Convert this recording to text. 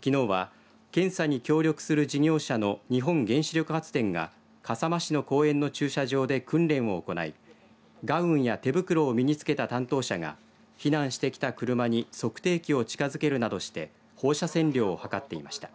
きのうは検査に協力する事業者の日本原子力発電が笠間市の公園の駐車場で訓練を行いガウンや手袋を身につけた担当者が避難してきた車に測定器を近づけるなどして放射線量を計っていました。